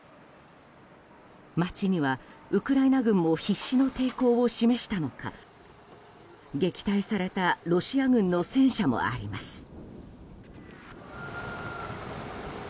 街には、ウクライナ軍も必死の抵抗を示したのか撃退されたロシア軍の戦車もあります。